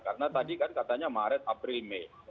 karena tadi kan katanya maret april mei